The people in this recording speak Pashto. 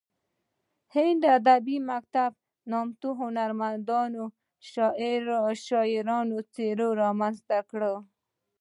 هندي ادبي مکتب نامتو هنرمندې شعري څیرې رامنځته کړې